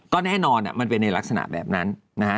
ก็แน่นอนมันเป็นในลักษณะแบบนั้นนะฮะ